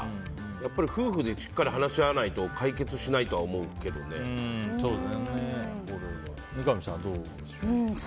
やっぱり夫婦でしっかり話し合わないと三上さんはどうでしょうか。